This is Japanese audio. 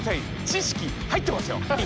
知識入ってますよ！